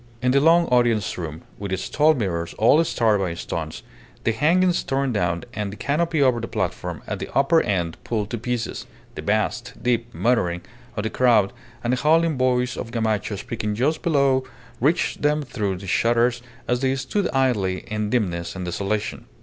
In the long audience room, with its tall mirrors all starred by stones, the hangings torn down and the canopy over the platform at the upper end pulled to pieces, the vast, deep muttering of the crowd and the howling voice of Gamacho speaking just below reached them through the shutters as they stood idly in dimness and desolation.